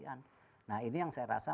nah ini yang saya rasa